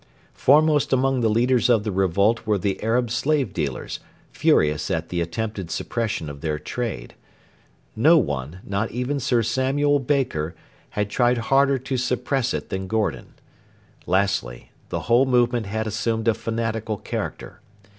Foremost among the leaders of the revolt were the Arab slave dealers, furious at the attempted suppression of their trade. No one, not even Sir Samuel Baker, had tried harder to suppress it than Gordon. Lastly, the whole movement had assumed a fanatical character.